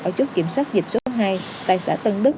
ở chốt kiểm soát dịch số hai tại xã tân đức